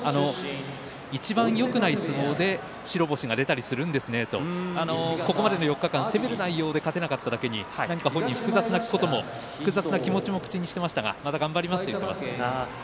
いちばんよくない相撲で白星が出たりするんですねとここまでの４日間攻める内容で勝てなかっただけに本人、複雑な気持ちを口にしていましたがまた頑張りますと言っていました。